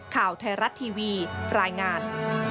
ข่าวไทยรัฐทีวีรายงาน